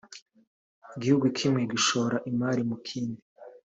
igihugu kimwe gishora imari mu kindi